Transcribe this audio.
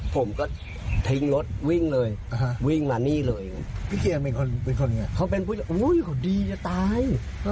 ผมก็ทิ้งรถวิ่งเลยวิ่งมานี่เลย